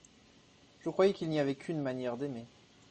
Je croyais qu’il n’y avait qu’une manière d’aimer.